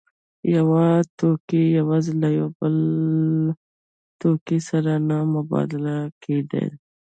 یو توکی یوازې له یو بل توکي سره نه مبادله کېده